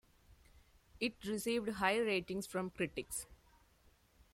It received high ratings from critics.